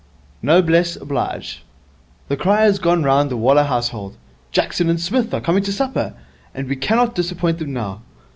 'Noblesse oblige. The cry has gone round the Waller household, "Jackson and Psmith are coming to supper," and we cannot disappoint them now.